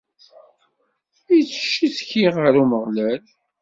Ittcetki ɣer Umeɣlal.